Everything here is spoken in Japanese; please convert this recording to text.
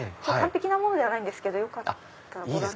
完璧なものじゃないんですけどよかったら。